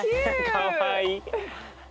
かわいい。